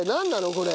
これ。